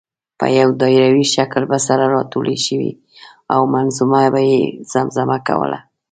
په یو دایروي شکل به سره راټولې شوې او منظومه به یې زمزمه کوله.